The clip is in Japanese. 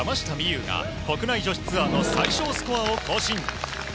有が国内女子ツアーの最少スコアを更新。